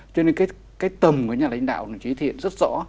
cho nên cái tầm của nhà lãnh đạo đồng chí thiện rất rõ